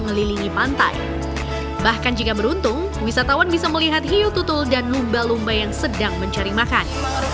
selain menikmati keindahan bahari di tempat ini wisatawan juga bisa melihat hutan mangrove yang sedang mencari makan